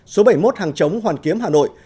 số bảy mươi một hàng chống hoàn kiếm hà nội